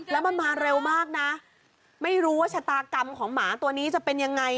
แล้วมันมาเร็วมากนะไม่รู้ว่าชะตากรรมของหมาตัวนี้จะเป็นยังไง